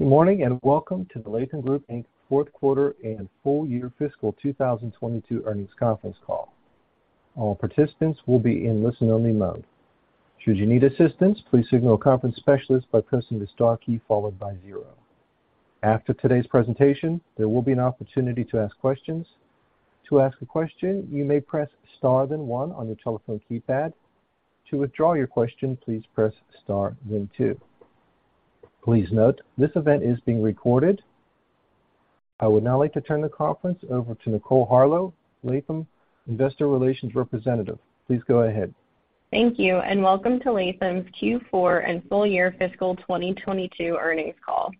Good morning, and welcome to the Latham Group, Inc.'s Fourth Quarter and Full Year Fiscal 2022 Earnings Conference Call. All participants will be in listen-only mode. Should you need assistance, please signal a conference specialist by pressing the star key followed by zero. After today's presentation, there will be an opportunity to ask questions. To ask a question, you may press star then one on your telephone keypad. To withdraw your question, please press star then two. Please note, this event is being recorded. I would now like to turn the conference over to Nicole Harlow, Latham, Investor Relations Representative. Please go ahead. Thank you. Welcome to Latham's Q4 and full year fiscal 2022 earnings call.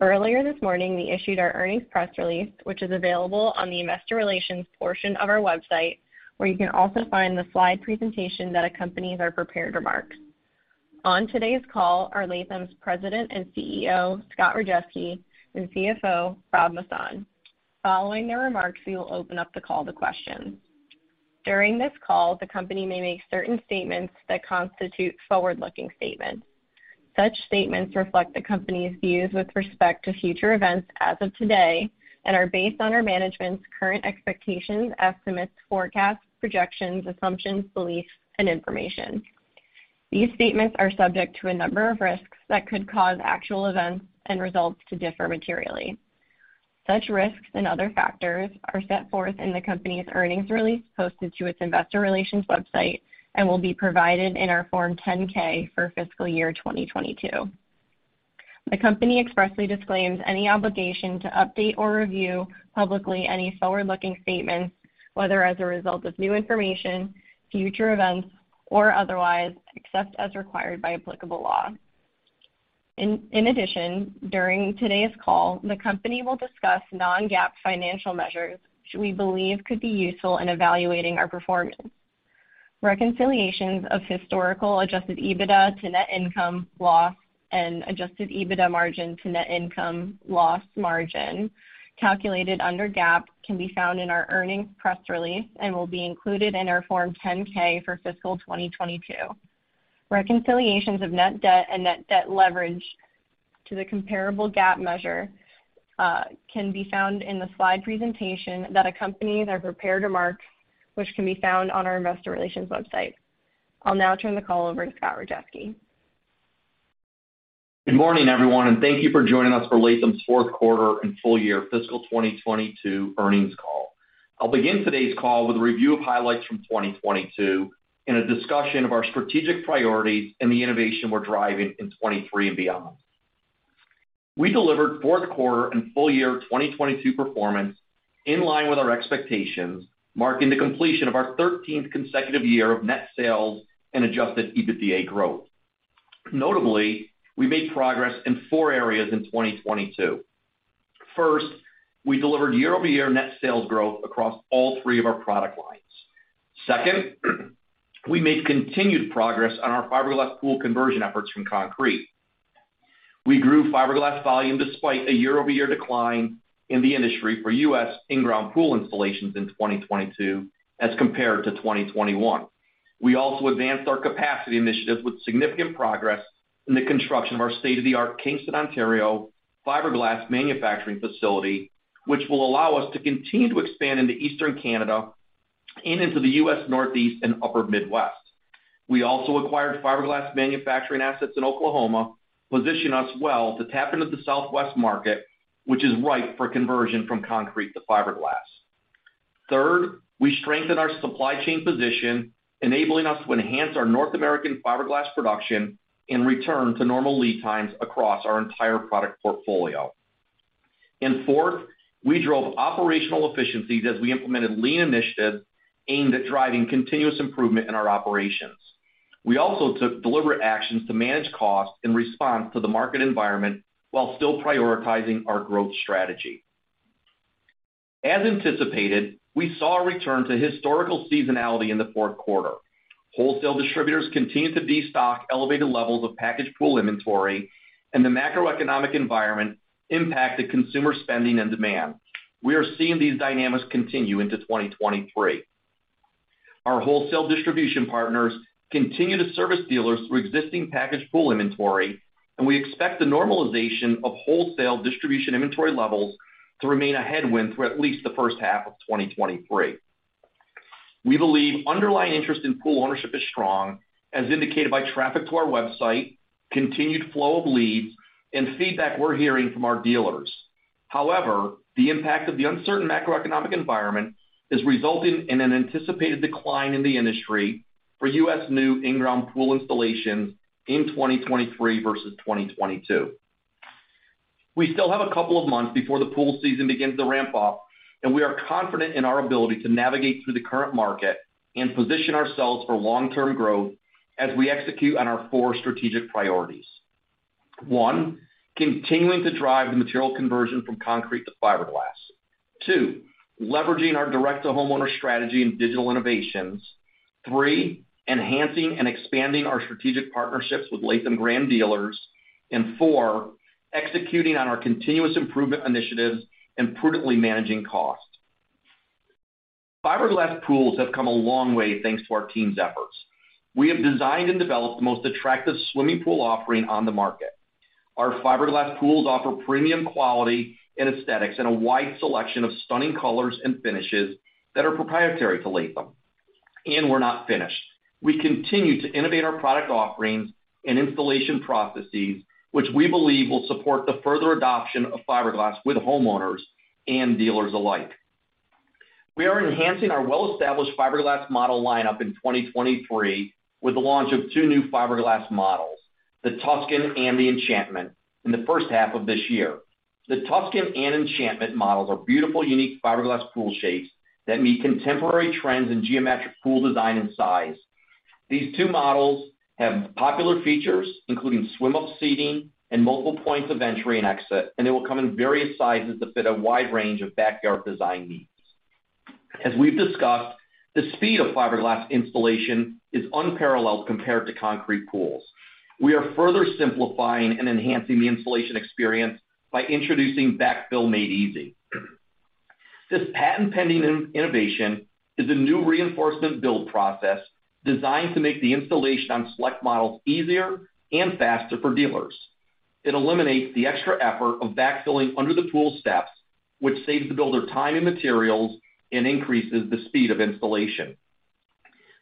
Earlier this morning, we issued our earnings press release, which is available on the investor relations portion of our website, where you can also find the slide presentation that accompanies our prepared remarks. On today's call are Latham's President and CEO, Scott Rajeski, and CFO, Rob Masson. Following their remarks, we will open up the call to questions. During this call, the company may make certain statements that constitute forward-looking statements. Such statements reflect the company's views with respect to future events as of today and are based on our management's current expectations, estimates, forecasts, projections, assumptions, beliefs, and information. These statements are subject to a number of risks that could cause actual events and results to differ materially. Such risks and other factors are set forth in the company's earnings release posted to its investor relations website and will be provided in our Form 10-K for fiscal year 2022. The company expressly disclaims any obligation to update or review publicly any forward-looking statements, whether as a result of new information, future events, or otherwise, except as required by applicable law. In addition, during today's call, the company will discuss non-GAAP financial measures which we believe could be useful in evaluating our performance. Reconciliations of historical Adjusted EBITDA to net income, loss, and Adjusted EBITDA margin to net income, loss margin calculated under GAAP can be found in our earnings press release and will be included in our Form 10-K for fiscal 2022. Reconciliations of net debt and net debt leverage to the comparable GAAP measure can be found in the slide presentation that accompanies our prepared remarks, which can be found on our investor relations website. I'll now turn the call over to Scott Rajeski. Good morning, everyone, and thank you for joining us for Latham's Fourth Quarter and Full Year Fiscal 2022 Earnings Call. I'll begin today's call with a review of highlights from 2022 and a discussion of our strategic priorities and the innovation we're driving in 2023 and beyond. We delivered fourth quarter and full year 2022 performance in line with our expectations, marking the completion of our 13th consecutive year of net sales and Adjusted EBITDA growth. Notably, we made progress in four areas in 2022. First, we delivered year-over-year net sales growth across all three of our product lines. Second, we made continued progress on our fiberglass pool conversion efforts from concrete. We grew fiberglass volume despite a year-over-year decline in the industry for U.S. in-ground pool installations in 2022 as compared to 2021. We also advanced our capacity initiatives with significant progress in the construction of our state-of-the-art Kingston, Ontario, fiberglass manufacturing facility, which will allow us to continue to expand into Eastern Canada and into the U.S. Northeast and Upper Midwest. We also acquired fiberglass manufacturing assets in Oklahoma, positioning us well to tap into the Southwest market, which is ripe for conversion from concrete to fiberglass. Third, we strengthened our supply chain position, enabling us to enhance our North American fiberglass production and return to normal lead times across our entire product portfolio. Fourth, we drove operational efficiencies as we implemented lean initiatives aimed at driving continuous improvement in our operations. We also took deliberate actions to manage costs in response to the market environment while still prioritizing our growth strategy. As anticipated, we saw a return to historical seasonality in the fourth quarter. Wholesale distributors continued to destock elevated levels of packaged pool inventory, and the macroeconomic environment impacted consumer spending and demand. We are seeing these dynamics continue into 2023. Our wholesale distribution partners continue to service dealers through existing packaged pool inventory, and we expect the normalization of wholesale distribution inventory levels to remain a headwind through at least the first half of 2023. We believe underlying interest in pool ownership is strong, as indicated by traffic to our website, continued flow of leads, and feedback we're hearing from our dealers. However, the impact of the uncertain macroeconomic environment is resulting in an anticipated decline in the industry for U.S. new in-ground pool installations in 2023 versus 2022. We still have a couple of months before the pool season begins to ramp up, and we are confident in our ability to navigate through the current market and position ourselves for long-term growth as we execute on our four strategic priorities. One, continuing to drive the material conversion from concrete to fiberglass. Two, leveraging our direct-to-homeowner strategy and digital innovations. Three, enhancing and expanding our strategic partnerships with Latham brand dealers. Four, executing on our continuous improvement initiatives and prudently managing costs. Fiberglass pools have come a long way thanks to our team's efforts. We have designed and developed the most attractive swimming pool offering on the market. Our fiberglass pools offer premium quality and aesthetics in a wide selection of stunning colors and finishes that are proprietary to Latham. We're not finished. We continue to innovate our product offerings and installation processes, which we believe will support the further adoption of fiberglass with homeowners and dealers alike. We are enhancing our well-established fiberglass model lineup in 2023 with the launch of two new fiberglass models, the Tuscan and the Enchantment, in the first half of this year. The Tuscan and Enchantment models are beautiful, unique fiberglass pool shapes that meet contemporary trends in geometric pool design and size. These two models have popular features, including swim-up seating and multiple points of entry and exit, and they will come in various sizes that fit a wide range of backyard design needs. As we've discussed, the speed of fiberglass installation is unparalleled compared to concrete pools. We are further simplifying and enhancing the installation experience by introducing Backfill Made Easy. This patent-pending in-innovation is a new reinforcement build process designed to make the installation on select models easier and faster for dealers. It eliminates the extra effort of backfilling under the pool steps, which saves the builder time and materials and increases the speed of installation.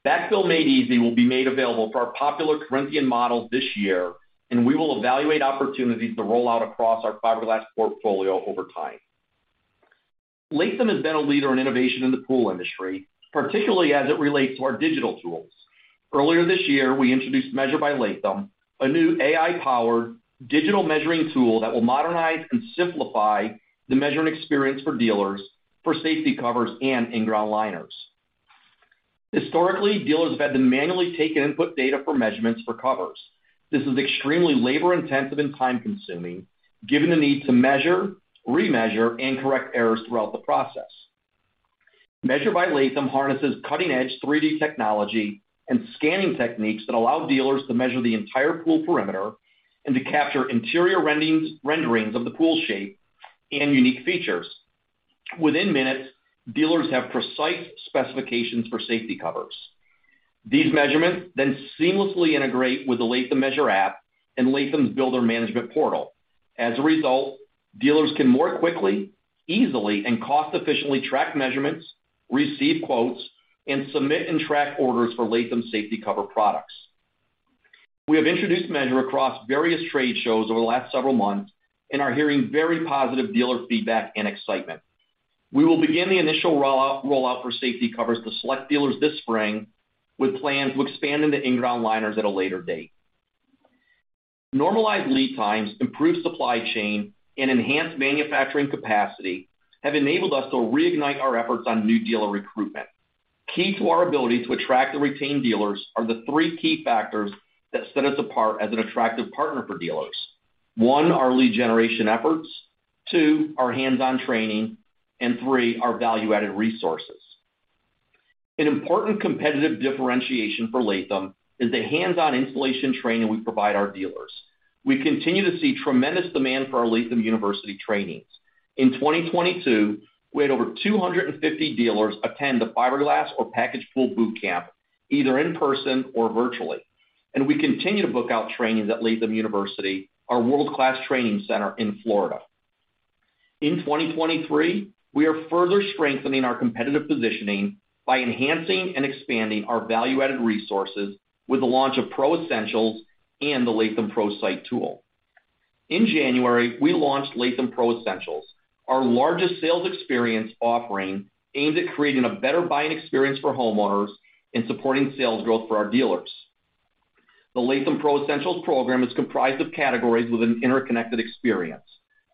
Backfill Made Easy will be made available for our popular Corinthian models this year, and we will evaluate opportunities to roll out across our fiberglass portfolio over time. Latham has been a leader in innovation in the pool industry, particularly as it relates to our digital tools. Earlier this year, we introduced Measure by Latham, a new AI-powered digital measuring tool that will modernize and simplify the measuring experience for dealers for safety covers and in-ground liners. Historically, dealers have had to manually take and input data for measurements for covers. This is extremely labor-intensive and time-consuming, given the need to measure, remeasure, and correct errors throughout the process. Measure by Latham harnesses cutting-edge 3D technology and scanning techniques that allow dealers to measure the entire pool perimeter and to capture interior renderings of the pool shape and unique features. Within minutes, dealers have precise specifications for safety covers. These measurements then seamlessly integrate with the Latham Measure app and Latham's Builder Management Portal. As a result, dealers can more quickly, easily, and cost-efficiently track measurements, receive quotes, and submit and track orders for Latham safety cover products. We have introduced Measure across various trade shows over the last several months and are hearing very positive dealer feedback and excitement. We will begin the initial rollout for safety covers to select dealers this spring, with plans to expand into in-ground liners at a later date. Normalized lead times, improved supply chain, and enhanced manufacturing capacity have enabled us to reignite our efforts on new dealer recruitment. Key to our ability to attract and retain dealers are the three key factors that set us apart as an attractive partner for dealers. One, our lead generation efforts. Two, our hands-on training. Three, our value-added resources. An important competitive differentiation for Latham is the hands-on installation training we provide our dealers. We continue to see tremendous demand for our Latham University trainings. In 2022, we had over 250 dealers attend the fiberglass or package pool boot camp, either in person or virtually, and we continue to book out trainings at Latham University, our world-class training center in Florida. In 2023, we are further strengthening our competitive positioning by enhancing and expanding our value-added resources with the launch of Pro Essentials and the Latham Pro Site Tool. In January, we launched Latham Pro Essentials, our largest sales experience offering aimed at creating a better buying experience for homeowners and supporting sales growth for our dealers. The Latham Pro Essentials program is comprised of categories with an interconnected experience: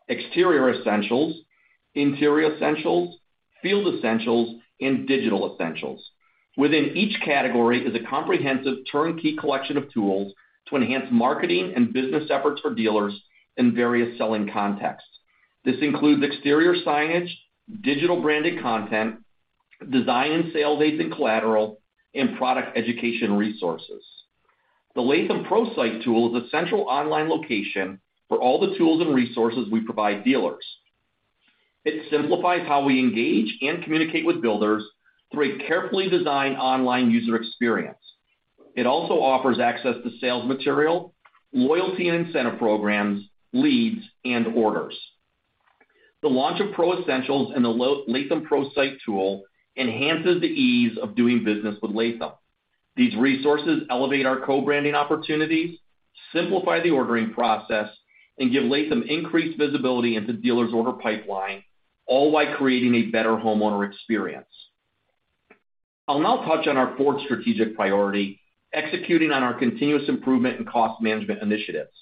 exterior essentials, interior essentials, field essentials, and digital essentials. Within each category is a comprehensive turnkey collection of tools to enhance marketing and business efforts for dealers in various selling contexts. This includes exterior signage, digital branded content, design and sale-facing collateral, and product education resources. The Latham Pro Site Tool is a central online location for all the tools and resources we provide dealers. It simplifies how we engage and communicate with builders through a carefully designed online user experience. It also offers access to sales material, loyalty and incentive programs, leads, and orders. The launch of Pro Essentials and Latham Pro Site Tool enhances the ease of doing business with Latham. These resources elevate our co-branding opportunities, simplify the ordering process, and give Latham increased visibility into dealers' order pipeline, all while creating a better homeowner experience. I'll now touch on our fourth strategic priority, executing on our continuous improvement and cost management initiatives.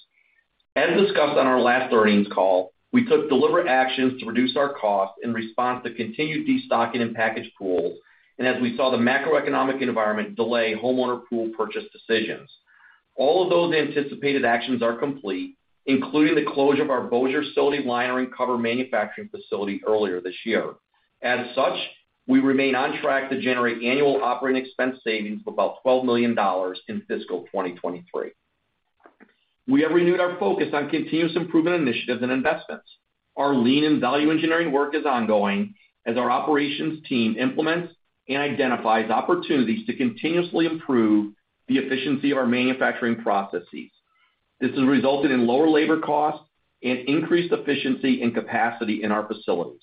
As discussed on our last earnings call, we took deliberate actions to reduce our cost in response to continued destocking in packaged pools and as we saw the macroeconomic environment delay homeowner pool purchase decisions. All of those anticipated actions are complete, including the closure of our Bossier facility liner and cover manufacturing facility earlier this year. As such, we remain on track to generate annual OpEx savings of about $12 million in fiscal 2023. We have renewed our focus on continuous improvement initiatives and investments. Our lean and value engineering work is ongoing as our operations team implements and identifies opportunities to continuously improve the efficiency of our manufacturing processes. This has resulted in lower labor costs and increased efficiency and capacity in our facilities.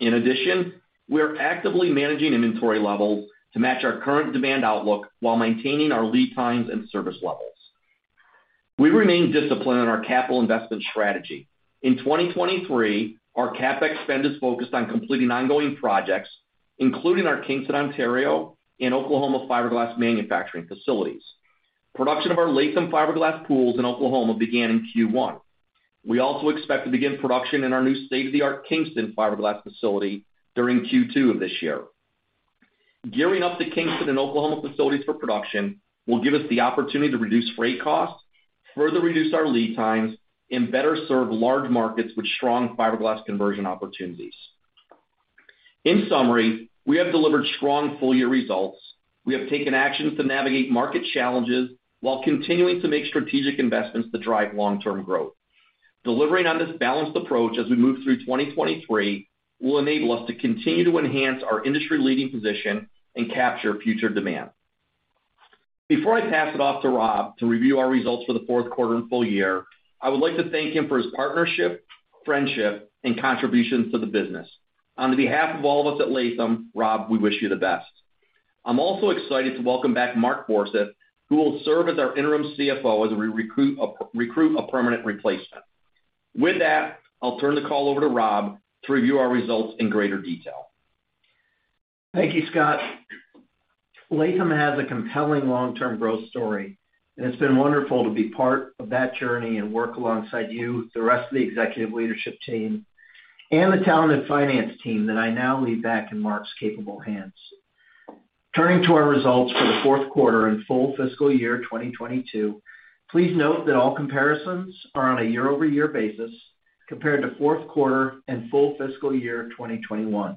In addition, we are actively managing inventory levels to match our current demand outlook while maintaining our lead times and service levels. We remain disciplined on our capital investment strategy. In 2023, our CapEx spend is focused on completing ongoing projects, including our Kingston, Ontario, and Oklahoma fiberglass manufacturing facilities. Production of our Latham fiberglass pools in Oklahoma began in Q1. We also expect to begin production in our new state-of-the-art Kingston fiberglass facility during Q2 of this year. Gearing up the Kingston and Oklahoma facilities for production will give us the opportunity to reduce freight costs, further reduce our lead times, and better serve large markets with strong fiberglass conversion opportunities. In summary, we have delivered strong full-year results. We have taken actions to navigate market challenges while continuing to make strategic investments to drive long-term growth. Delivering on this balanced approach as we move through 2023 will enable us to continue to enhance our industry-leading position and capture future demand. Before I pass it off to Rob to review our results for the fourth quarter and full year, I would like to thank him for his partnership, friendship, and contributions to the business. On behalf of all of us at Latham, Rob, we wish you the best. I'm also excited to welcome back Mark Borseth, who will serve as our interim CFO as we recruit a permanent replacement. With that, I'll turn the call over to Rob to review our results in greater detail. Thank you, Scott. Latham has a compelling long-term growth story, and it's been wonderful to be part of that journey and work alongside you, the rest of the executive leadership team, and the talented finance team that I now leave back in Mark's capable hands. Turning to our results for the fourth quarter and full fiscal year 2022, please note that all comparisons are on a year-over-year basis compared to fourth quarter and full fiscal year of 2021.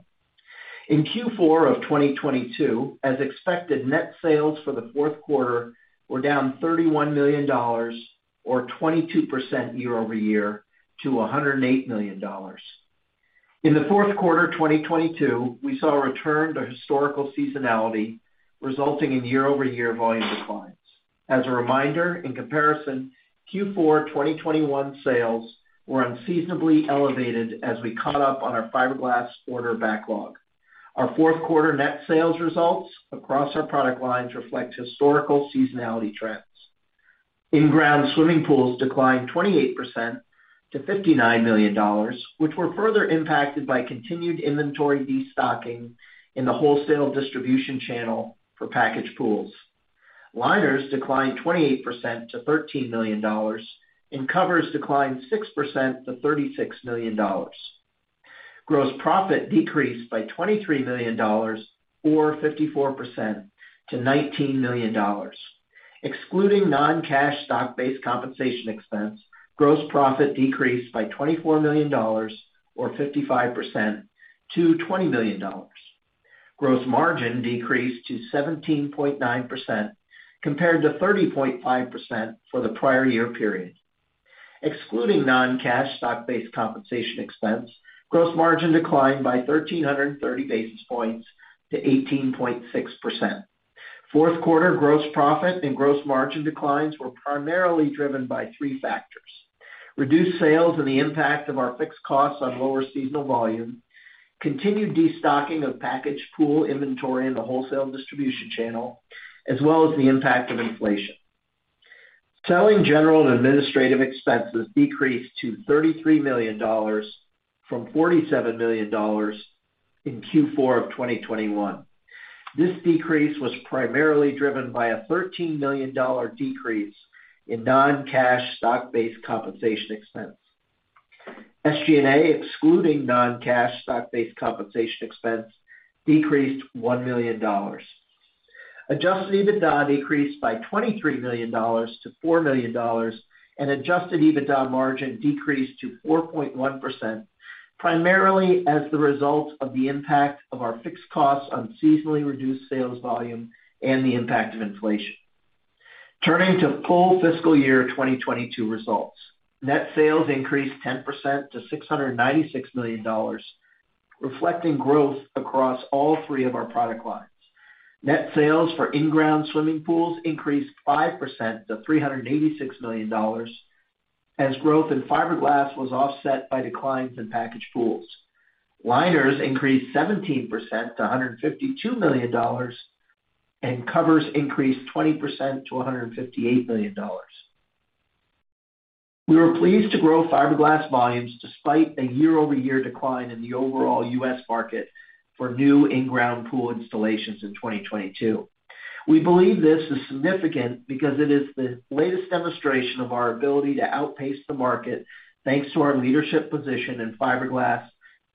In Q4 of 2022, as expected, net sales for the fourth quarter were down $31 million, or 22% year-over-year, to $108 million. In the fourth quarter of 2022, we saw a return to historical seasonality, resulting in year-over-year volume declines. As a reminder, in comparison, Q4 2021 sales were unseasonably elevated as we caught up on our fiberglass order backlog. Our fourth quarter net sales results across our product lines reflect historical seasonality trends. In-ground swimming pools declined 28% to $59 million, which were further impacted by continued inventory destocking in the wholesale distribution channel for packaged pools. Liners declined 28% to $13 million, and covers declined 6% to $36 million. Gross profit decreased by $23 million, or 54%, to $19 million. Excluding non-cash stock-based compensation expense, gross profit decreased by $24 million, or 55%, to $20 million. Gross margin decreased to 17.9% compared to 30.5% for the prior year period. Excluding non-cash stock-based compensation expense, gross margin declined by 1,330 basis points to 18.6%. Fourth quarter gross profit and gross margin declines were primarily driven by three factors: reduced sales and the impact of our fixed costs on lower seasonal volume, continued destocking of packaged pool inventory in the wholesale distribution channel, as well as the impact of inflation. Selling, general, and administrative expenses decreased to $33 million from $47 million in Q4 of 2021. This decrease was primarily driven by a $13 million decrease in non-cash stock-based compensation expense. SG&A, excluding non-cash stock-based compensation expense, decreased $1 million. Adjusted EBITDA decreased by $23 million to $4 million, and Adjusted EBITDA margin decreased to 4.1%, primarily as the result of the impact of our fixed costs on seasonally reduced sales volume and the impact of inflation. Turning to full fiscal year 2022 results. Net sales increased 10% to $696 million, reflecting growth across all three of our product lines. Net sales for in-ground swimming pools increased 5% to $386 million as growth in fiberglass was offset by declines in packaged pools. Liners increased 17% to $152 million, and covers increased 20% to $158 million. We were pleased to grow fiberglass volumes despite a year-over-year decline in the overall U.S. market for new in-ground pool installations in 2022. We believe this is significant because it is the latest demonstration of our ability to outpace the market, thanks to our leadership position in fiberglass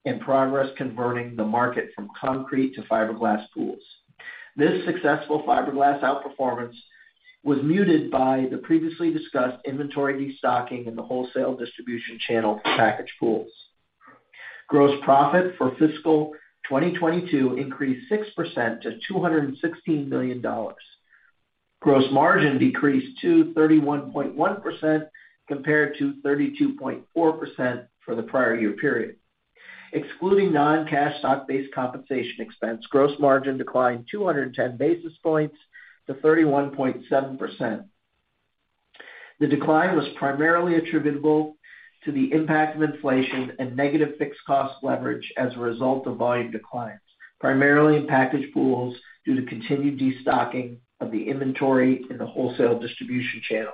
and progress converting the market from concrete to fiberglass pools. This successful fiberglass outperformance was muted by the previously discussed inventory destocking in the wholesale distribution channel for packaged pools. Gross profit for fiscal 2022 increased 6% to $216 million. Gross margin decreased to 31.1% compared to 32.4% for the prior year period. Excluding non-cash stock-based compensation expense, gross margin declined 210 basis points to 31.7%. The decline was primarily attributable to the impact of inflation and negative fixed cost leverage as a result of volume declines, primarily in packaged pools, due to continued destocking of the inventory in the wholesale distribution channel.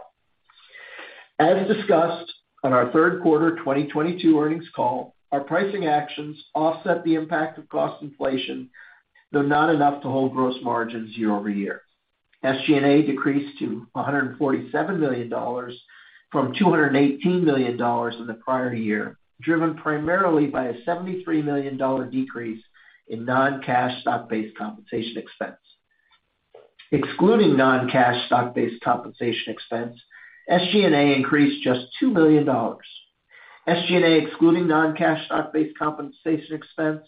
As discussed on our third quarter 2022 earnings call, our pricing actions offset the impact of cost inflation, though not enough to hold gross margins year-over-year. SG&A decreased to $147 million from $218 million in the prior year, driven primarily by a $73 million decrease in non-cash stock-based compensation expense. Excluding non-cash stock-based compensation expense, SG&A increased just $2 million. SG&A, excluding non-cash stock-based compensation expense,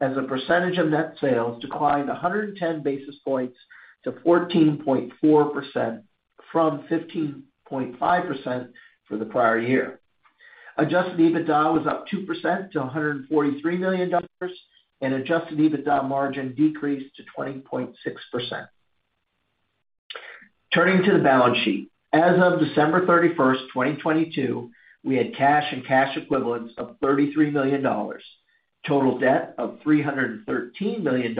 as a percentage of net sales declined 110 basis points to 14.4% from 15.5% for the prior year. Adjusted EBITDA was up 2% to $143 million, and Adjusted EBITDA margin decreased to 20.6%. Turning to the balance sheet. As of December 31, 2022, we had cash and cash equivalents of $33 million, total debt of $313 million,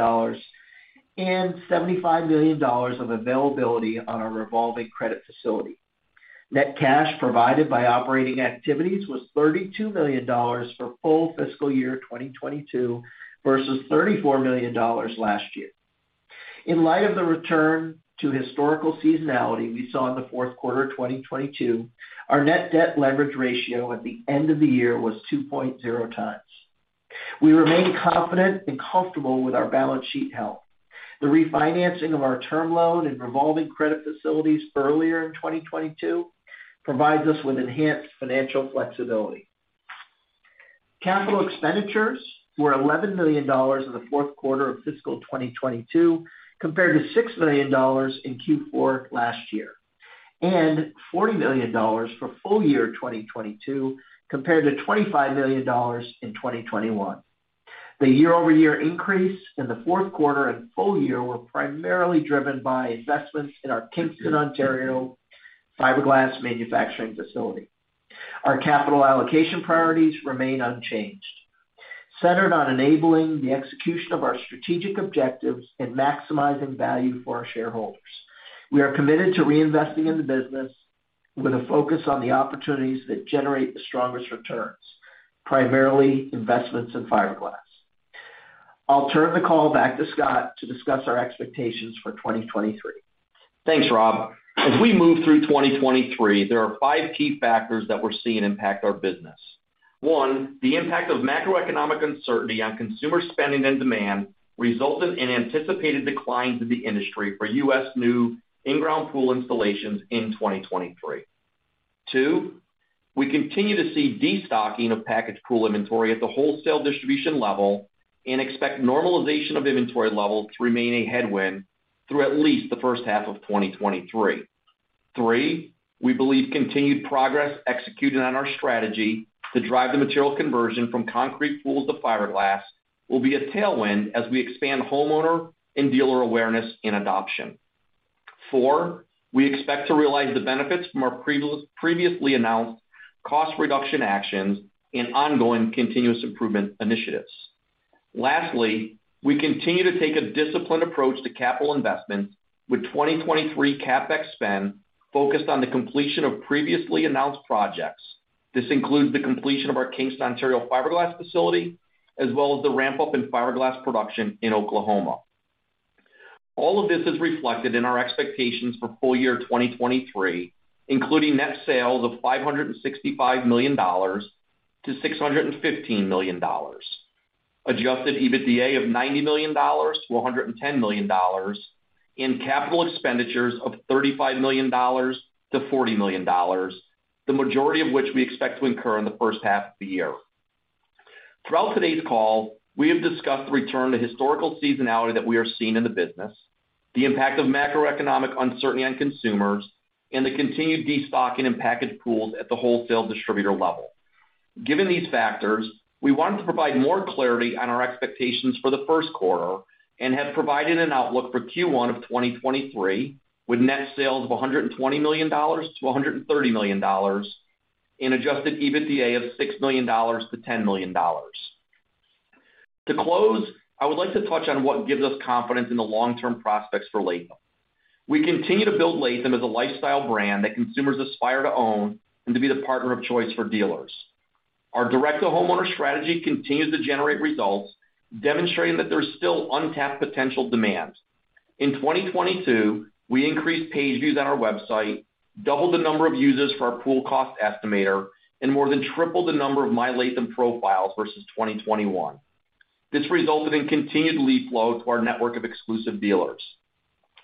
and $75 million of availability on our revolving credit facility. Net cash provided by operating activities was $32 million for full fiscal year 2022 versus $34 million last year. In light of the return to historical seasonality we saw in the fourth quarter of 2022, our net debt leverage ratio at the end of the year was 2.0x. We remain confident and comfortable with our balance sheet health. The refinancing of our term loan and revolving credit facilities earlier in 2022 provides us with enhanced financial flexibility. CapEx were $11 million in the fourth quarter of fiscal 2022, compared to $6 million in Q4 last year, and $40 million for full year 2022 compared to $25 million in 2021. The year-over-year increase in the fourth quarter and full year were primarily driven by investments in our Kingston, Ontario fiberglass manufacturing facility. Our capital allocation priorities remain unchanged, centered on enabling the execution of our strategic objectives and maximizing value for our shareholders. We are committed to reinvesting in the business with a focus on the opportunities that generate the strongest returns, primarily investments in fiberglass. I'll turn the call back to Scott to discuss our expectations for 2023. Thanks, Rob. As we move through 2023, there are five key factors that we're seeing impact our business. 1. the impact of macroeconomic uncertainty on consumer spending and demand resulted in anticipated declines in the industry for U.S. new in-ground pool installations in 2023. 2. we continue to see destocking of packaged pool inventory at the wholesale distribution level and expect normalization of inventory level to remain a headwind through at least the first half of 2023. 3. we believe continued progress executed on our strategy to drive the material conversion from concrete pools to fiberglass will be a tailwind as we expand homeowner and dealer awareness and adoption. 4. we expect to realize the benefits from our previously announced cost reduction actions and ongoing continuous improvement initiatives. Lastly, we continue to take a disciplined approach to capital investments with 2023 CapEx spend focused on the completion of previously announced projects. This includes the completion of our Kingston, Ontario fiberglass facility, as well as the ramp up in fiberglass production in Oklahoma. All of this is reflected in our expectations for full year 2023, including net sales of $565 million-$615 million, Adjusted EBITDA of $90 million-$110 million, and capital expenditures of $35 million-$40 million, the majority of which we expect to incur in the first half of the year. Throughout today's call, we have discussed the return to historical seasonality that we are seeing in the business, the impact of macroeconomic uncertainty on consumers, and the continued destocking in packaged pools at the wholesale distributor level. Given these factors, we wanted to provide more clarity on our expectations for the first quarter and have provided an outlook for Q1 of 2023 with net sales of $120 million-$130 million and Adjusted EBITDA of $6 million-$10 million. To close, I would like to touch on what gives us confidence in the long-term prospects for Latham. We continue to build Latham as a lifestyle brand that consumers aspire to own and to be the partner of choice for dealers. Our direct-to-homeowner strategy continues to generate results, demonstrating that there's still untapped potential demand. In 2022, we increased page views on our website, doubled the number of users for our Pool Cost Estimator, and more than tripled the number of My Latham profiles versus 2021. This resulted in continued lead flow to our network of exclusive dealers.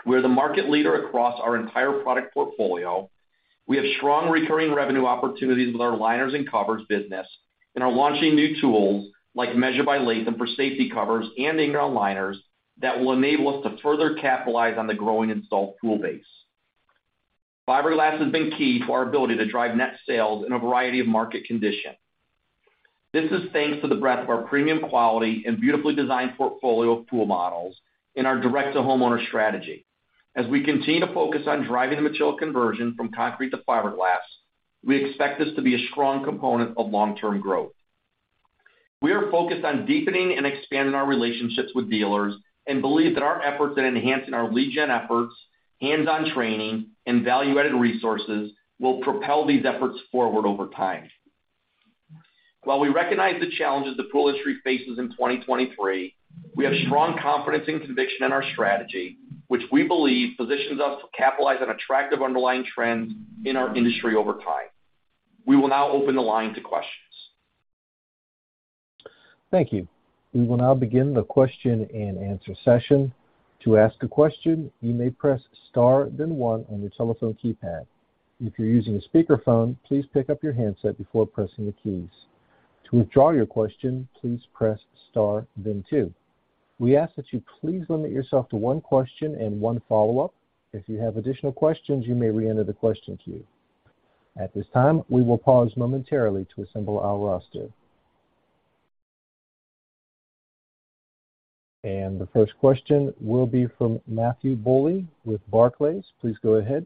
We're the market leader across our entire product portfolio. We have strong recurring revenue opportunities with our liners and covers business, and are launching new tools like Measure by Latham for safety covers and in-ground liners that will enable us to further capitalize on the growing installed tool base. Fiberglass has been key to our ability to drive net sales in a variety of market conditions. This is thanks to the breadth of our premium quality and beautifully designed portfolio of pool models in our direct-to-homeowner strategy. As we continue to focus on driving the material conversion from concrete to fiberglass, we expect this to be a strong component of long-term growth. We are focused on deepening and expanding our relationships with dealers, and believe that our efforts in enhancing our lead gen efforts, hands-on training, and value-added resources will propel these efforts forward over time. While we recognize the challenges the pool industry faces in 2023, we have strong confidence and conviction in our strategy, which we believe positions us to capitalize on attractive underlying trends in our industry over time. We will now open the line to questions. Thank you. We will now begin the question-and-answer session. To ask a question, you may press star then one on your telephone keypad. If you're using a speakerphone, please pick up your handset before pressing the keys. To withdraw your question, please press star then two. We ask that you please limit yourself to one question and one follow-up. If you have additional questions, you may reenter the question queue. At this time, we will pause momentarily to assemble our roster. The first question will be from Matthew Bouley with Barclays. Please go ahead.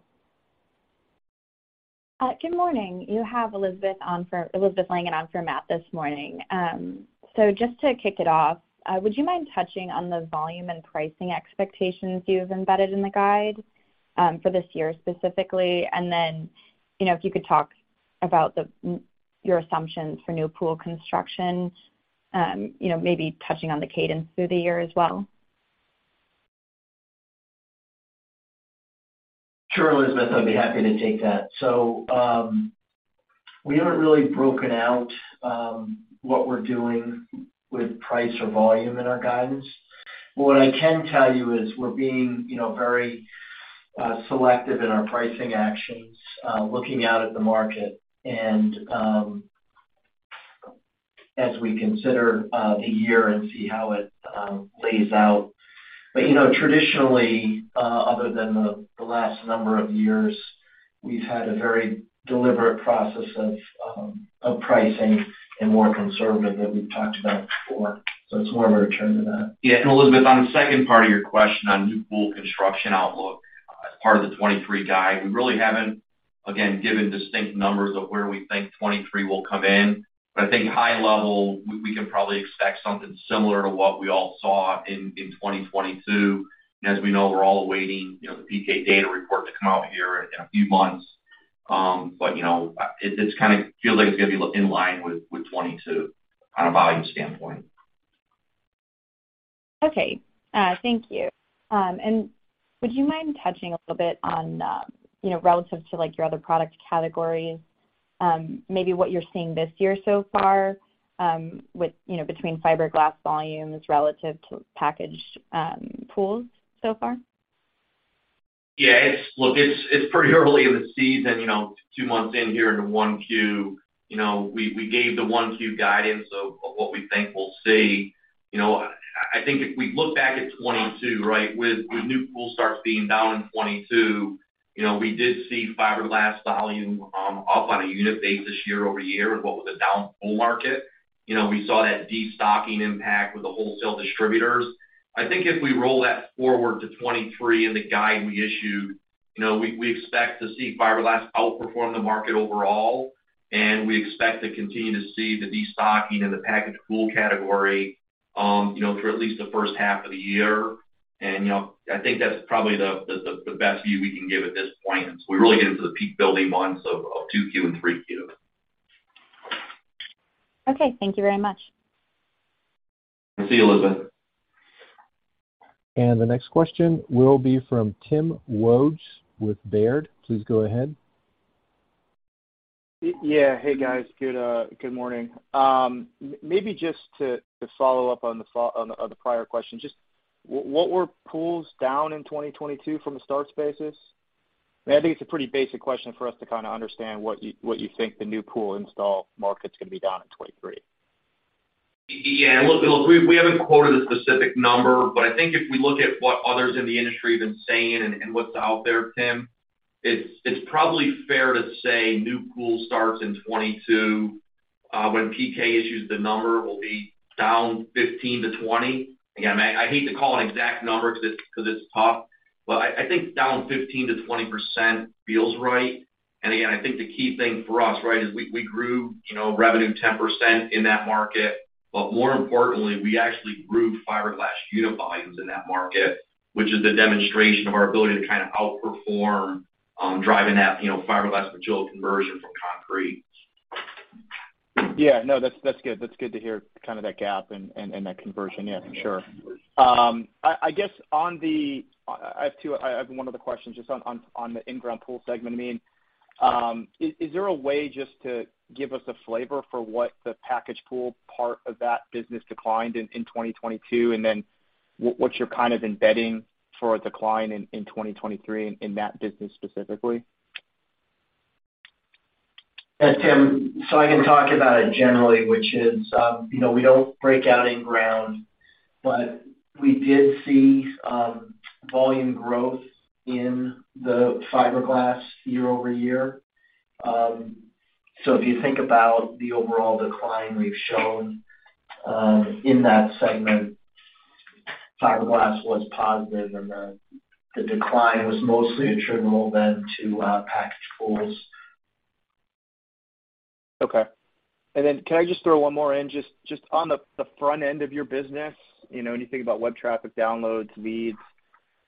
Good morning. You have Elizabeth Langan on for Matt this morning. Just to kick it off, would you mind touching on the volume and pricing expectations you've embedded in the guide for this year specifically? You know, if you could talk about your assumptions for new pool construction, you know, maybe touching on the cadence through the year as well. Sure, Elizabeth. I'd be happy to take that. We haven't really broken out what we're doing with price or volume in our guidance. What I can tell you is we're being, you know, very selective in our pricing actions, looking out at the market and as we consider the year and see how it lays out. You know, traditionally, other than the last number of years, we've had a very deliberate process of pricing and more conservative that we've talked about before. It's more of a return to that. Yeah. Elizabeth, on the second part of your question on new pool construction outlook as part of the 2023 guide, we really haven't, again, given distinct numbers of where we think 2023 will come in. I think high level, we can probably expect something similar to what we all saw in 2022. As we know, we're all awaiting, you know, the PK Data report to come out here in a few months. You know, it's kinda feels like it's gonna be in line with 2022 on a volume standpoint. Okay. thank you. Would you mind touching a little bit on, you know, relative to, like, your other product categories, maybe what you're seeing this year so far, with, you know, between fiberglass volumes relative to packaged pools so far? It's, look, it's pretty early in the season, you know, 2 months in here into 1Q. You know, we gave the 1Q guidance of what we think we'll see. You know, I think if we look back at 2022, right, with new pool starts being down in 2022, you know, we did see fiberglass volume up on a unit basis year-over-year with what was a down pool market. You know, we saw that destocking impact with the wholesale distributors. I think if we roll that forward to 2023 in the guide we issued, you know, we expect to see fiberglass outperform the market overall, we expect to continue to see the destocking in the packaged pool category, you know, through at least the first half of the year. You know, I think that's probably the best view we can give at this point as we really get into the peak building months of 2Q and 3Q. Okay. Thank you very much. See you, Elizabeth. The next question will be from Tim Wojs with Baird. Please go ahead. Yeah. Hey, guys. Good morning. Maybe just to follow up on the prior question, just what were pools down in 2022 from a starts basis? I think it's a pretty basic question for us to kinda understand what you think the new pool install market's gonna be down in 2023. Yeah. Look, we haven't quoted a specific number, but I think if we look at what others in the industry have been saying and what's out there, Tim, it's probably fair to say new pool starts in 2022, when PK Data issues the number, will be down 15%-20%. Again, I hate to call an exact number 'cause it's tough, but I think down 15%-20% feels right. Again, I think the key thing for us, right, is we grew, you know, revenue 10% in that market. More importantly, we actually grew fiberglass unit volumes in that market, which is the demonstration of our ability to kind of outperform, driving that, you know, fiberglass material conversion from concrete. Yeah. No. That's good. That's good to hear kind of that gap and that conversion. Yeah, sure. I have one other question just on the in-ground pool segment. I mean, is there a way just to give us a flavor for what the package pool part of that business declined in 2022, and then what you're kind of embedding for a decline in 2023 in that business specifically? Yeah, Tim. I can talk about it generally, which is, you know, we don't break out in-ground, but we did see volume growth in the fiberglass year-over-year. If you think about the overall decline we've shown in that segment, fiberglass was positive, and the decline was mostly attributable then to package pools. Can I just throw one more in? Just on the front end of your business, you know, when you think about web traffic, downloads, leads,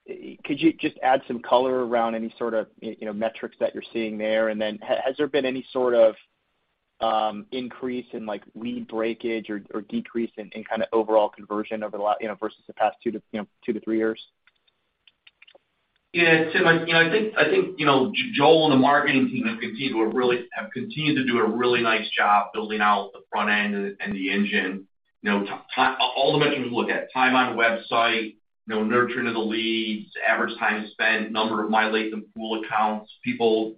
could you just add some color around any sort of, you know, metrics that you're seeing there? Has there been any sort of increase in, like, lead breakage or decrease in kind of overall conversion over the, you know, versus the past 2 to, you know, 2 to 3 years? Tim, I, you know, I think, you know, Joel and the marketing team have continued to do a really nice job building out the front end and the engine. All the metrics we look at, time on website, you know, nurturing of the leads, average time spent, number of My Latham Pool accounts, people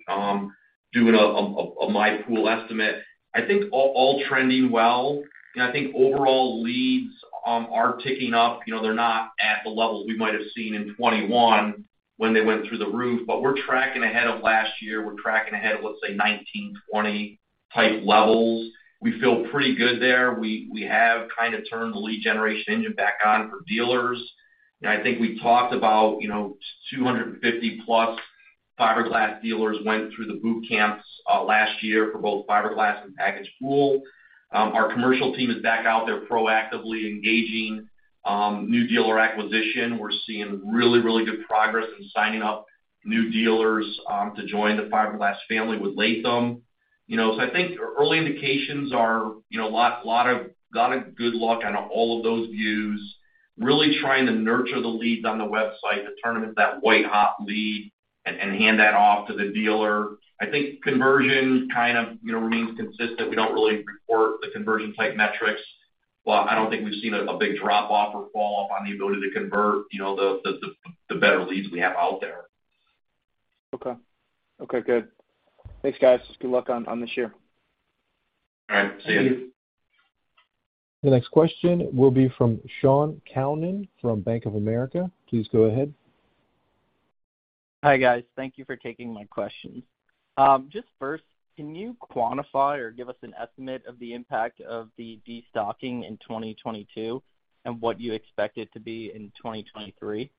doing a My Pool estimate. I think all trending well, and I think overall leads are ticking up. They're not at the levels we might have seen in 2021 when they went through the roof, but we're tracking ahead of last year. We're tracking ahead of, let's say, 1920 type levels. We feel pretty good there. We have kind of turned the lead generation engine back on for dealers. You know, I think we talked about, you know, 250+ fiberglass dealers went through the boot camps last year for both fiberglass and package pool. Our commercial team is back out there proactively engaging new dealer acquisition. We're seeing really good progress in signing up new dealers to join the fiberglass family with Latham. You know, I think early indications are, you know, got a good look on all of those views, really trying to nurture the leads on the website to turn them into that white-hot lead and hand that off to the dealer. I think conversion kind of, you know, remains consistent. We don't really report the conversion type metrics. While I don't think we've seen a big drop-off or fall-off on the ability to convert, you know, the better leads we have out there. Okay. Okay, good. Thanks, guys. Good luck on this year. All right. See you. Thank you. The next question will be from Shaun Calnan from Bank of America. Please go ahead. Hi, guys. Thank you for taking my questions. Just first, can you quantify or give us an estimate of the impact of the destocking in 2022 and what you expect it to be in 2023?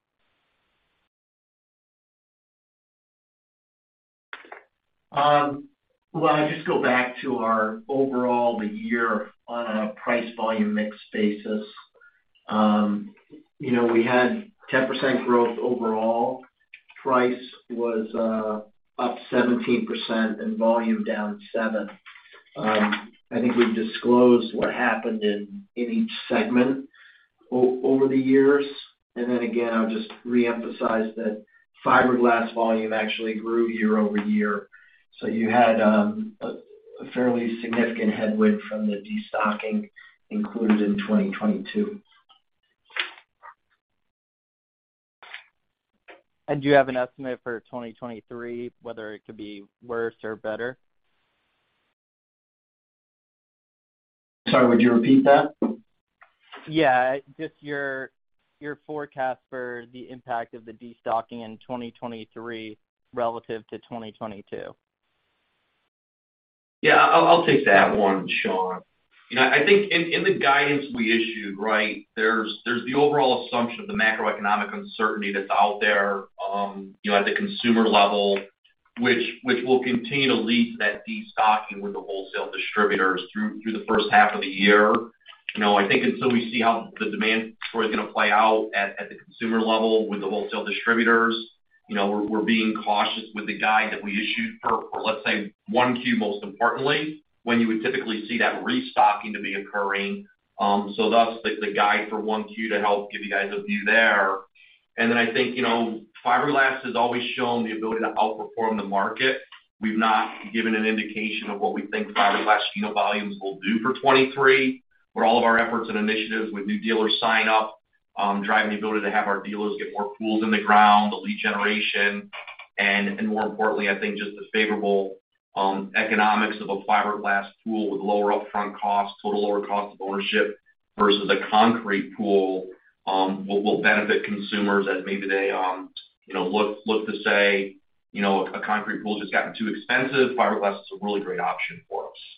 Well, I'll just go back to our overall the year on a price-volume mix basis. You know, we had 10% growth overall. Price was up 17% and volume down 7%. Then again, I'll just reemphasize that fiberglass volume actually grew year-over-year. You had a fairly significant headwind from the destocking included in 2022. Do you have an estimate for 2023, whether it could be worse or better? Sorry, would you repeat that? Yeah. Just your forecast for the impact of the destocking in 2023 relative to 2022. Yeah, I'll take that one, Shaun. You know, I think in the guidance we issued, right? There's the overall assumption of the macroeconomic uncertainty that's out there, you know, at the consumer level, which will continue to lead to that destocking with the wholesale distributors through the first half of the year. You know, I think until we see how the demand story is gonna play out at the consumer level with the wholesale distributors, you know, we're being cautious with the guide that we issued for let's say 1Q, most importantly, when you would typically see that restocking to be occurring. Thus, the guide for 1Q to help give you guys a view there. I think, you know, fiberglass has always shown the ability to outperform the market. We've not given an indication of what we think fiberglass, you know, volumes will do for 2023, but all of our efforts and initiatives with new dealer sign-up, drive the ability to have our dealers get more pools in the ground, the lead generation, and more importantly, I think just the favorable economics of a fiberglass pool with lower upfront costs, total lower cost of ownership versus a concrete pool, will benefit consumers as maybe they, you know, look to say, you know, "A concrete pool just gotten too expensive. Fiberglass is a really great option for us.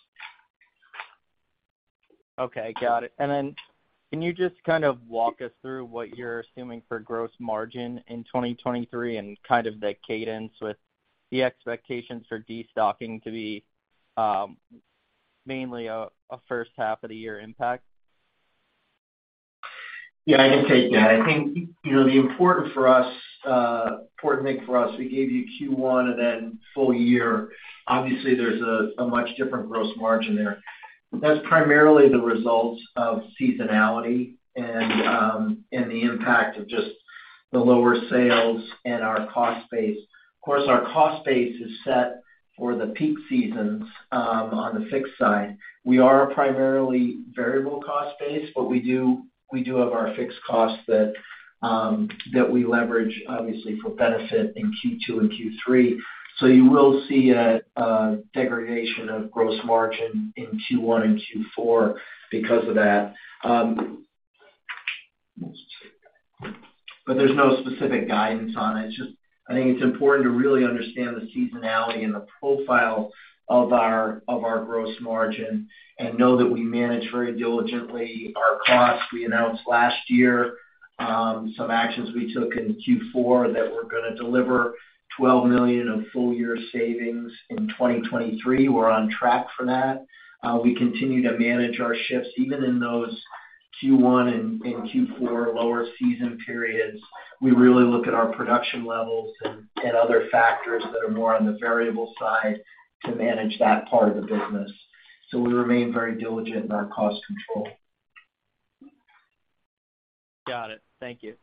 Okay, got it. Then can you just kind of walk us through what you're assuming for gross margin in 2023 and kind of the cadence with the expectations for destocking to be, mainly a first half of the year impact? Yeah, I can take that. I think, you know, the important for us, important thing for us, we gave you Q1 and then full year. Obviously, there's a much different gross margin there. That's primarily the results of seasonality and the impact of. The lower sales and our cost base. Of course, our cost base is set for the peak seasons on the fixed side. We are a primarily variable cost base, but we do have our fixed costs that we leverage obviously for benefit in Q2 and Q3. You will see a degradation of gross margin in Q1 and Q4 because of that. There's no specific guidance on it. Just, I think it's important to really understand the seasonality and the profile of our gross margin and know that we manage very diligently our costs. We announced last year some actions we took in Q4 that we're gonna deliver $12 million of full year savings in 2023. We're on track for that. We continue to manage our shifts even in those Q1 and Q4 lower season periods. We really look at our production levels and other factors that are more on the variable side to manage that part of the business. We remain very diligent in our cost control. Got it. Thank you.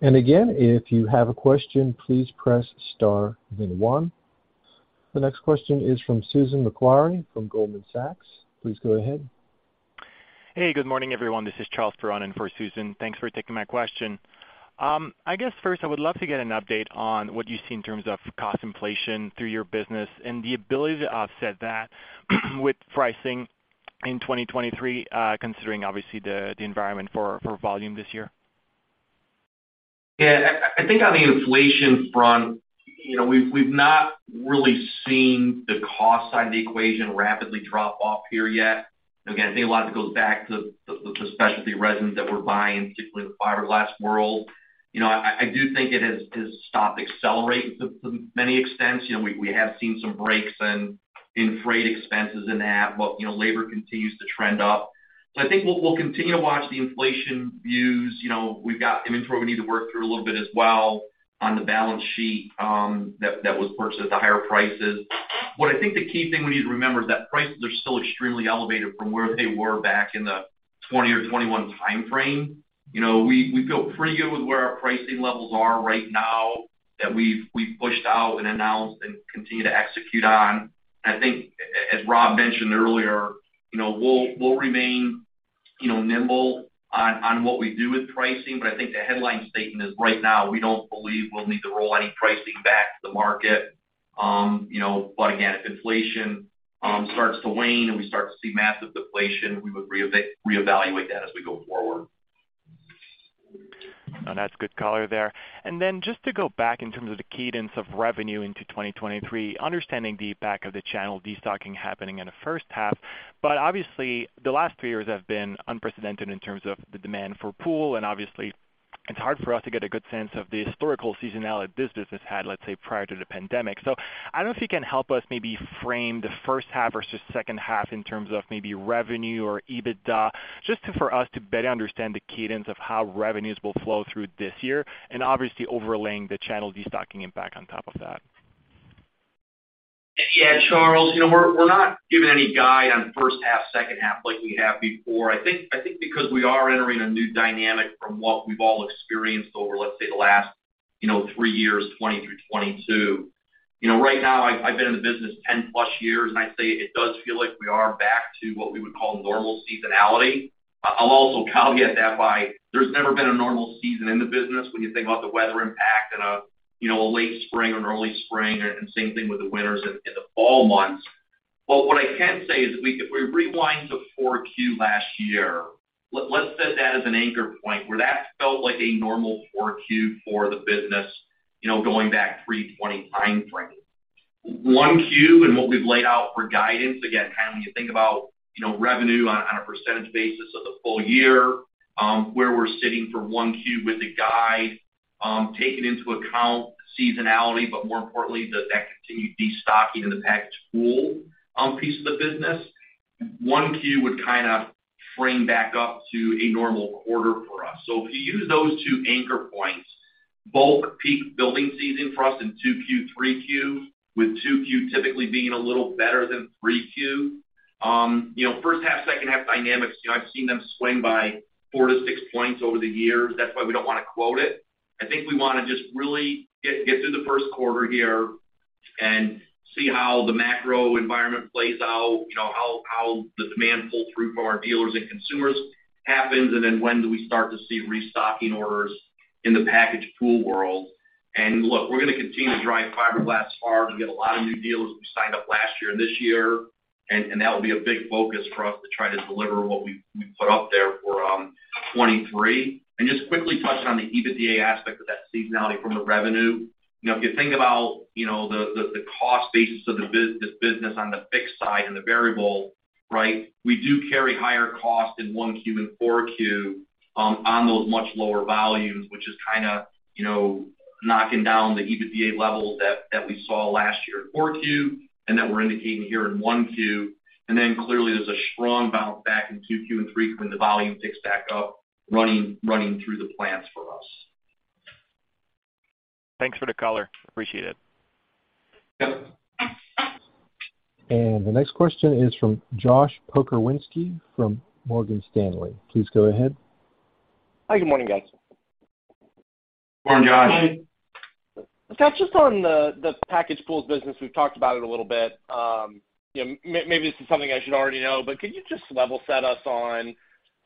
Yeah. Again, if you have a question, please press star then one. The next question is from Susan Maklari from Goldman Sachs. Please go ahead. Hey, good morning, everyone. This is Charles Perron-Piché in for Susan. Thanks for taking my question. I guess first I would love to get an update on what you see in terms of cost inflation through your business and the ability to offset that with pricing in 2023, considering obviously the environment for volume this year. Yeah. I think on the inflation front, you know, we've not really seen the cost side of the equation rapidly drop off here yet. Again, I think a lot of it goes back to specialty resins that we're buying, particularly the fiberglass world. You know, I do think it has stopped accelerating to many extents. You know, we have seen some breaks in freight expenses and that, but, you know, labor continues to trend up. I think we'll continue to watch the inflation views. You know, we've got inventory we need to work through a little bit as well on the balance sheet, that was purchased at the higher prices. What I think the key thing we need to remember is that prices are still extremely elevated from where they were back in the 2020 or 2021 timeframe. You know, we feel pretty good with where our pricing levels are right now that we've pushed out and announced and continue to execute on. I think as Rob mentioned earlier, you know, we'll remain, you know, nimble on what we do with pricing. I think the headline statement is right now, we don't believe we'll need to roll any pricing back to the market. You know, but again, if inflation starts to wane, and we start to see massive deflation, we would reevaluate that as we go forward. No, that's good color there. Just to go back in terms of the cadence of revenue into 2023, understanding the back of the channel destocking happening in the first half. Obviously the last 3 years have been unprecedented in terms of the demand for pool, and obviously it's hard for us to get a good sense of the historical seasonality this business had, let's say, prior to the pandemic. I don't know if you can help us maybe frame the first half versus second half in terms of maybe revenue or EBITDA, for us to better understand the cadence of how revenues will flow through this year and obviously overlaying the channel destocking impact on top of that. Yeah, Charles. You know, we're not giving any guide on first half, second half like we have before. I think because we are entering a new dynamic from what we've all experienced over, let's say, the last, you know, 3 years, 2020 through 2022. You know, right now I've been in the business 10 plus years, and I'd say it does feel like we are back to what we would call normal seasonality. I'll also caveat that by there's never been a normal season in the business when you think about the weather impact in a, you know, a late spring or an early spring, and same thing with the winters in the fall months. What I can say is if we rewind to 4Q last year, let's set that as an anchor point where that felt like a normal 4Q for the business, you know, going back pre-2020 timeframe. 1Q and what we've laid out for guidance, again, kind of when you think about, you know, revenue on a percentage basis of the full year, where we're sitting for 1Q with the guide, taking into account seasonality, but more importantly that continued destocking in the packaged pool piece of the business, 1Q would kind of frame back up to a normal quarter for us. If you use those two anchor points, bulk peak building season for us in 2Q, 3Q, with 2Q typically being a little better than 3Q. You know, first half, second half dynamics, you know, I've seen them swing by 4-6 points over the years. That's why we don't wanna quote it. I think we wanna just really get through the first quarter here and see how the macro environment plays out. You know, how the demand pull-through from our dealers and consumers happens, and then when do we start to see restocking orders in the packaged pool world. Look, we're gonna continue to drive fiberglass hard. We got a lot of new dealers that we signed up last year and this year, and that'll be a big focus for us to try to deliver what we put up there for 2023. Just quickly touching on the EBITDA aspect of that seasonality from a revenue. You know, if you think about, you know, the, the cost basis of this business on the fixed side and the variable, right? We do carry higher cost in 1Q and 4Q, on those much lower volumes, which is kinda, you know, knocking down the EBITDA levels that we saw last year in 4Q and that we're indicating here in 1Q. Clearly there's a strong bounce back in 2Q and 3Q when the volume picks back up running through the plants for us. Thanks for the color. Appreciate it. Yep. The next question is from Josh Pokrzywinski from Morgan Stanley. Please go ahead. Hi, good morning, guys. Good morning, Josh. Scott, just on the packaged pools business, we've talked about it a little bit. you know, maybe this is something I should already know, but could you just level set us on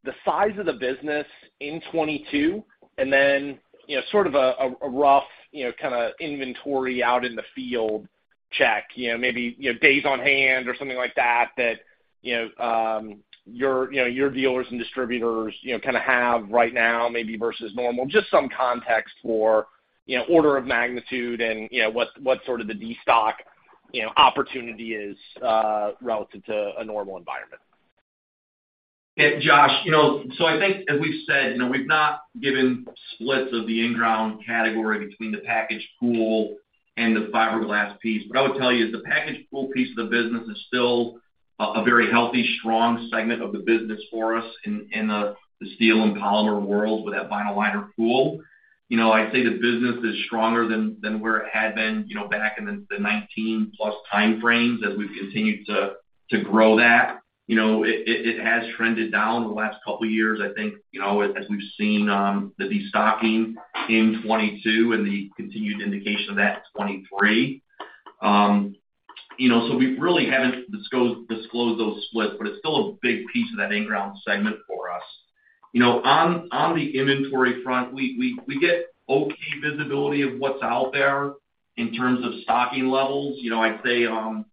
the size of the business in 2022 and then, you know, sort of a rough, you know, kinda inventory out in the field check, you know, maybe, you know, days on hand or something like that, you know, your, you know, your dealers and distributors, you know, kind of have right now maybe versus normal. Just some context for, you know, order of magnitude and, you know, what sort of the destock, you know, opportunity is relative to a normal environment. Yeah, Josh, you know, I think as we've said, you know, we've not given splits of the in-ground category between the packaged pool and the fiberglass piece. I would tell you, the packaged pool piece of the business is still a very healthy, strong segment of the business for us in the steel and polymer world with that vinyl liner pool. You know, I'd say the business is stronger than where it had been, you know, back in the 19-plus time frames as we've continued to grow that. You know, it has trended down the last couple years, I think, you know, as we've seen the destocking in 2022 and the continued indication of that in 2023. You know, we really haven't disclosed those splits, but it's still a big piece of that in-ground segment for us. You know, on the inventory front, we get okay visibility of what's out there in terms of stocking levels. You know,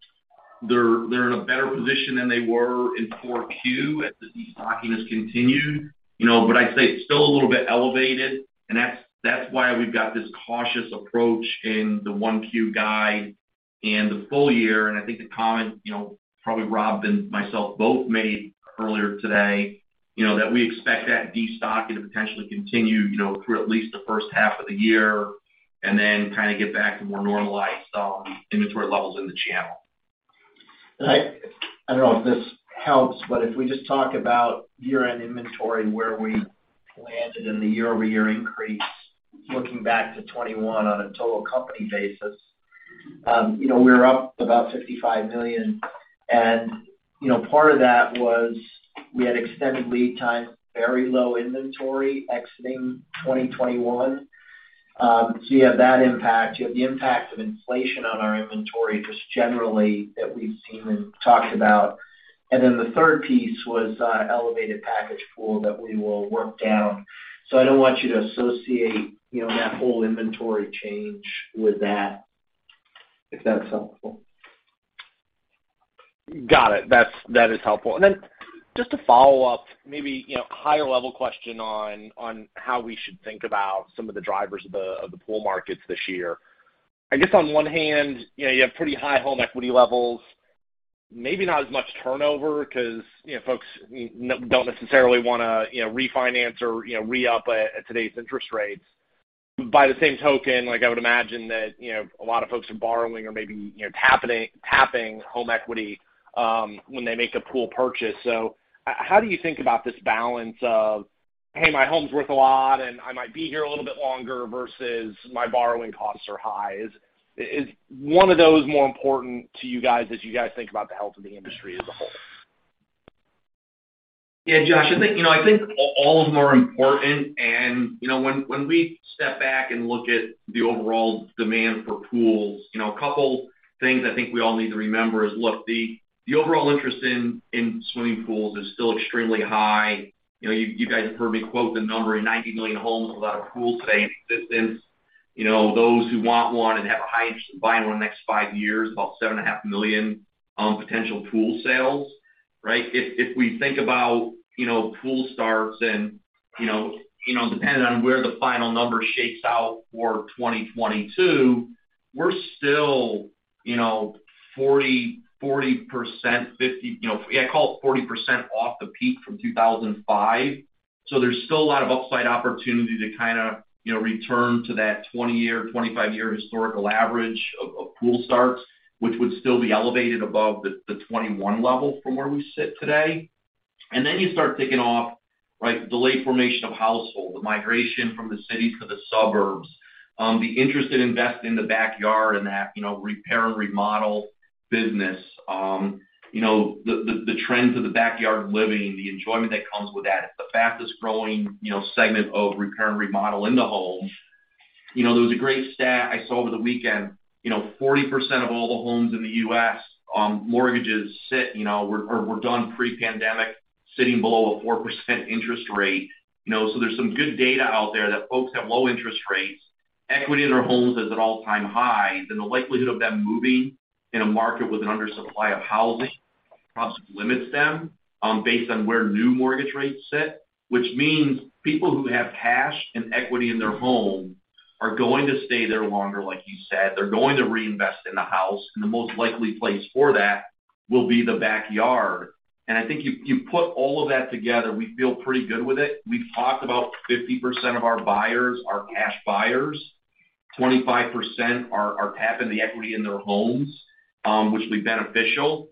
they're in a better position than they were in 4Q as the destocking has continued. I'd say it's still a little bit elevated, and that's why we've got this cautious approach in the 1Q guide and the full year. I think the comment, you know, probably Rob and myself both made earlier today, you know, that we expect that destocking to potentially continue, you know, through at least the first half of the year and then kind of get back to more normalized inventory levels in the channel. I don't know if this helps, but if we just talk about year-end inventory and where we landed in the year-over-year increase, looking back to 2021 on a total company basis, you know, we were up about $55 million. You know, part of that was we had extended lead time, very low inventory exiting 2021. You have that impact. You have the impact of inflation on our inventory just generally that we've seen and talked about. The third piece was elevated packaged pool that we will work down. I don't want you to associate, you know, that whole inventory change with that, if that's helpful. Got it. That is helpful. Just to follow up, maybe, you know, higher level question on how we should think about some of the drivers of the, of the pool markets this year? I guess on one hand, you know, you have pretty high home equity levels, maybe not as much turnover because, you know, folks don't necessarily wanna, you know, refinance or, you know, re-up at today's interest rates. By the same token, like, I would imagine that, you know, a lot of folks are borrowing or maybe, you know, tapping home equity, when they make a pool purchase. How do you think about this balance of, hey, my home's worth a lot, and I might be here a little bit longer, versus my borrowing costs are high? Is one of those more important to you guys as you guys think about the health of the industry as a whole? Yeah, Josh, I think, you know, I think all of them are important. You know, when we step back and look at the overall demand for pools, you know, a couple things I think we all need to remember is, look, the overall interest in swimming pools is still extremely high. You know, you guys have heard me quote the number, 90 million homes without a pool today in existence. You know, those who want one and have a high interest in buying one in the next five years, about $7.5 million potential pool sales, right? If we think about, you know, pool starts and, you know, depending on where the final number shakes out for 2022, we're still, you know, 40%, 50, you know, I call it 40% off the peak from 2005. There's still a lot of upside opportunity to kinda, you know, return to that 20-year, 25-year historical average of pool starts, which would still be elevated above the 21 level from where we sit today. Then you start ticking off, right, delayed formation of household, the migration from the cities to the suburbs, the interest in investing in the backyard and that, you know, repair and remodel business. You know, the trends of the backyard living, the enjoyment that comes with that. It's the fastest growing, you know, segment of repair and remodel in the home. There was a great stat I saw over the weekend. 40% of all the homes in the U.S., mortgages sit, you know, were done pre-pandemic sitting below a 4% interest rate. There's some good data out there that folks have low interest rates. Equity in their homes is at all-time highs, and the likelihood of them moving in a market with an undersupply of housing prospects limits them based on where new mortgage rates sit, which means people who have cash and equity in their home are going to stay there longer, like you said. They're going to reinvest in the house, and the most likely place for that will be the backyard. I think if you put all of that together, we feel pretty good with it. We've talked about 50% of our buyers are cash buyers. 25% are tapping the equity in their homes, which will be beneficial.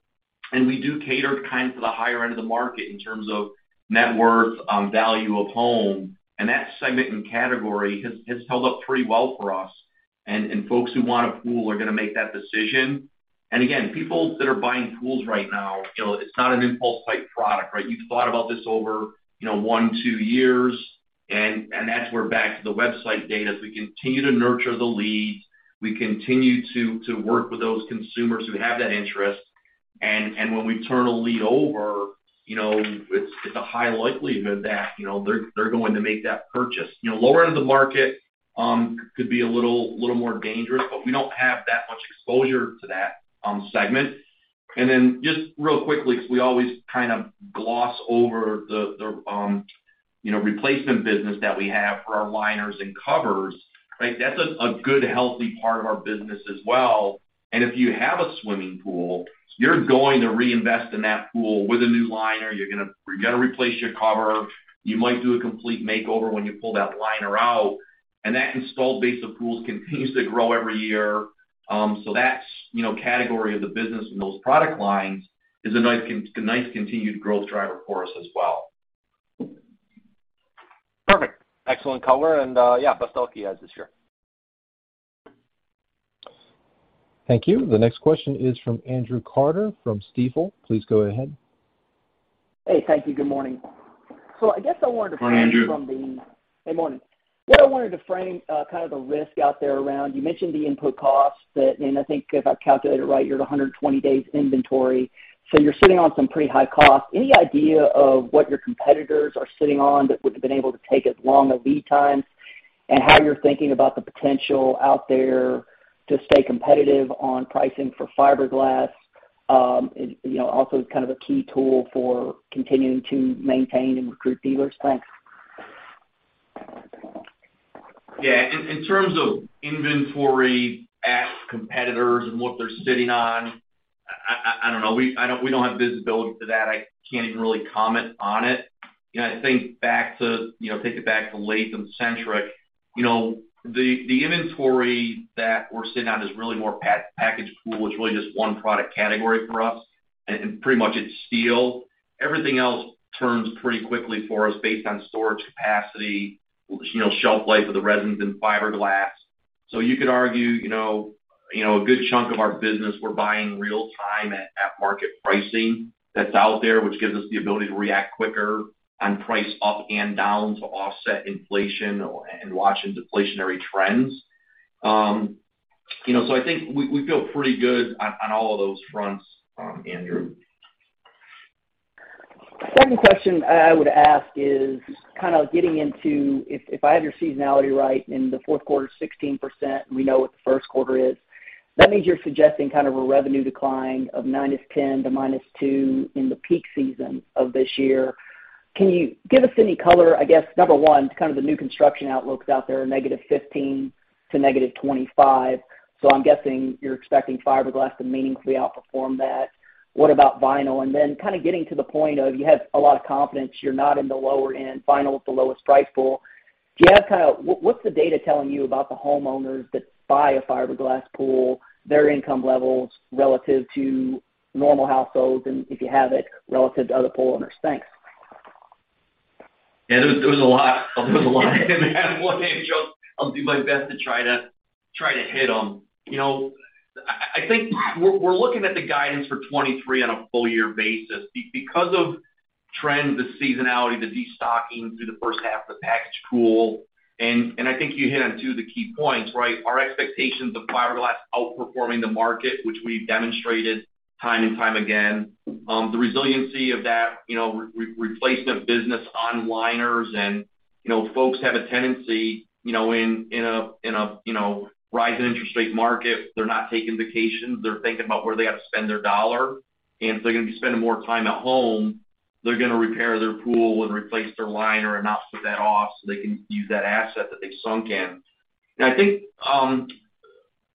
We do cater kind to the higher end of the market in terms of net worth, value of home, and that segment and category has held up pretty well for us. Folks who want a pool are gonna make that decision. Again, people that are buying pools right now, you know, it's not an impulse type product, right? You've thought about this over, you know, one, two years, that's where back to the website data, as we continue to nurture the leads, we continue to work with those consumers who have that interest. When we turn a lead over, you know, it's a high likelihood that, you know, they're going to make that purchase. You know, lower end of the market, could be a little more dangerous, but we don't have that much exposure to that segment. Then just real quickly, 'cause we always kind of gloss over the, you know, replacement business that we have for our liners and covers, right? That's a good healthy part of our business as well. If you have a swimming pool, you're going to reinvest in that pool with a new liner. You're gonna replace your cover. You might do a complete makeover when you pull that liner out, and that installed base of pools continues to grow every year. That's, you know, category of the business and those product lines is a nice continued growth driver for us as well. Perfect. Excellent color and, yeah, best of luck you guys this year. Thank you. The next question is from Andrew Carter from Stifel. Please go ahead. Hey. Thank you. Good morning. I guess I wanted to frame. Good morning, Andrew. Hey, morning. What I wanted to frame, kind of the risk out there around, you mentioned the input costs. I think if I calculate it right, you're at 120 days inventory, so you're sitting on some pretty high costs. Any idea of what your competitors are sitting on that would've been able to take as long a lead time, and how you're thinking about the potential out there to stay competitive on pricing for fiberglass, and, you know, also kind of a key tool for continuing to maintain and recruit dealers? Thanks. Yeah. In, in terms of inventory at competitors and what they're sitting on, I, I don't know. We don't have visibility to that. I can't even really comment on it. You know, I think back to, you know, take it back to Latham-centric, you know, the inventory that we're sitting on is really more packaged pool is really just one product category for us and pretty much it's steel. Everything else turns pretty quickly for us based on storage capacity, you know, shelf life of the resins and fiberglass. So you could argue, you know, a good chunk of our business we're buying real time at market pricing that's out there, which gives us the ability to react quicker and price up and down to offset inflation and watch in deflationary trends. You know, so I think we feel pretty good on all of those fronts, Andrew. Second question I would ask is kind of getting into if I have your seasonality right, in the fourth quarter, 16%, we know what the first quarter is, that means you're suggesting kind of a revenue decline of -10% to -2% in the peak season of this year. Can you give us any color, I guess, number one, to kind of the new construction outlooks out there, -15% to -25%? I'm guessing you're expecting fiberglass to meaningfully outperform that. What about vinyl? Then kind of getting to the point of you have a lot of confidence you're not in the lower end, vinyl is the lowest price pool. Do you have kind of what's the data telling you about the homeowners that buy a fiberglass pool, their income levels relative to normal households, and if you have it, relative to other pool owners? Thanks. Yeah, there was a lot. There was a lot in that one, Andrew. I'll do my best to try to hit on. You know, I think we're looking at the guidance for 2023 on a full year basis because of trends, the seasonality, the destocking through the first half of the package pool. I think you hit on two of the key points, right? Our expectations of fiberglass outperforming the market, which we've demonstrated time and time again. The resiliency of that, you know, replacement business on liners and, you know, folks have a tendency, you know, in a, in a, you know, rising interest rate market, they're not taking vacations. They're thinking about where they have to spend their dollar. If they're gonna be spending more time at home, they're gonna repair their pool and replace their liner and not put that off so they can use that asset that they've sunk in. I think,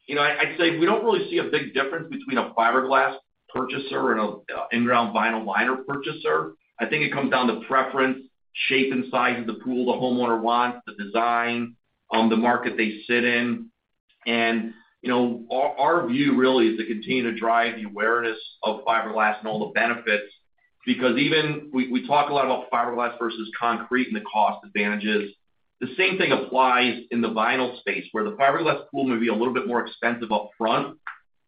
you know, I'd say we don't really see a big difference between a fiberglass purchaser and a in-ground vinyl liner purchaser. I think it comes down to preference, shape and size of the pool the homeowner wants, the design, the market they sit in. You know, our view really is to continue to drive the awareness of fiberglass and all the benefits. We talk a lot about fiberglass versus concrete and the cost advantages. The same thing applies in the vinyl space, where the fiberglass pool may be a little bit more expensive up front,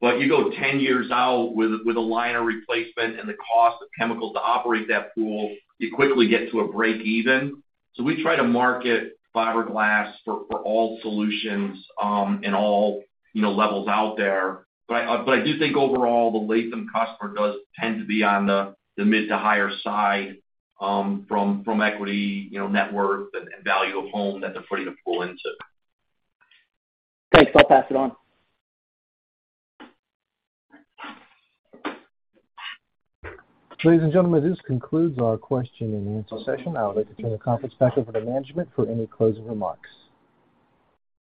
but you go 10 years out with a liner replacement and the cost of chemicals to operate that pool, you quickly get to a break even. We try to market fiberglass for all solutions, and all, you know, levels out there. I do think overall, the Latham customer does tend to be on the mid to higher side, from equity, you know, net worth and value of home that they're putting a pool into. Thanks. I'll pass it on. Ladies and gentlemen, this concludes our question-and-answer session. I would like to turn the conference back over to management for any closing remarks.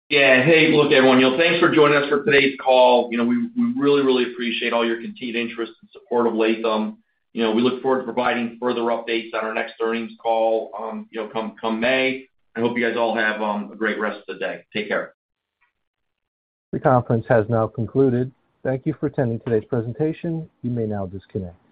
Yeah. Hey, look, everyone, you know, thanks for joining us for today's call. You know, we really appreciate all your continued interest and support of Latham. You know, we look forward to providing further updates on our next earnings call, you know, come May. I hope you guys all have a great rest of the day. Take care. The conference has now concluded. Thank you for attending today's presentation. You may now disconnect.